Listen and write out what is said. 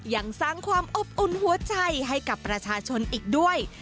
ยังสร้างความอบอุ่นหัวใจให้กับประชาชนอีกด้วย